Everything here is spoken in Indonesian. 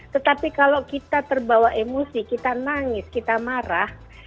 tetapi kalau kita terbawa emosi kita nangis kita marah